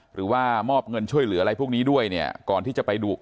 หรือว่ามอบเงินช่วยเหลืออะไรพวกนี้ด้วยเนี่ยก่อนที่จะไปดุ